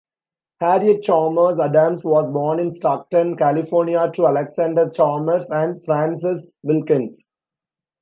Harriet Chalmers Adams was born in Stockton, California to Alexander Chalmers and Frances Wilkens.